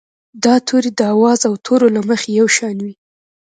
دا توري د آواز او تورو له مخې یو شان وي.